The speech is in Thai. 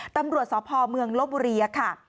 ตำรวจสพเมืองลบบุรีค่ะ